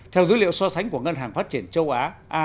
theo dữ liệu so sánh của ngân hàng phát triển châu á